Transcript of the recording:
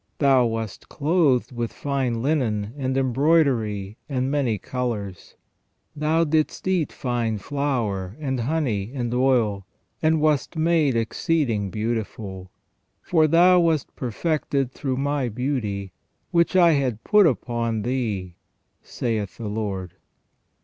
... Thou wast clothed with fine linen, and embroidery, and many colours ; thou FROM THE BEGINNING TO THE END OF MAN 377 didst eat fine flour, and honey, and oil, and wast made exceeding beautiful. For thou was perfected through My beauty, which I had put upon thee, saith the Lord."